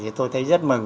thì tôi thấy rất mừng